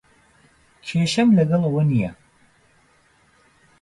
کێشەم لەگەڵ ئەوە نییە.